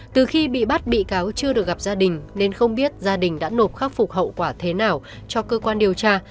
từ khi bị bắt bị cáo chưa được gặp gia đình nên không biết gia đình đã nộp khắc phục hậu quả thế nào cho cơ quan điều tra